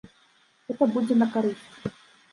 Гэта будзе на карысць.